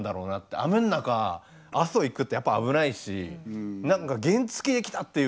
雨の中阿蘇行くってやっぱ危ないし何か原付で来たっていう子もいたじゃないですか。